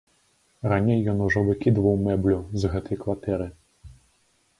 Раней ён ужо выкідваў мэблю з гэтай кватэры.